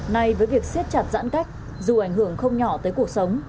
nay với việc siết chặt giãn cách dù ảnh hưởng không nhỏ tới cuộc sống